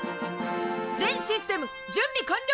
全システム準備完了！